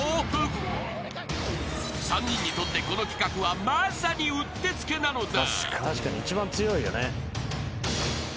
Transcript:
［３人にとってこの企画はまさにうってつけなのだ］